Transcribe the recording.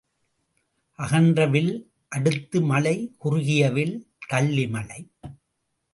அகன்ற வில் அடுத்து மழை குறுகிய வில் தள்ளி மழை.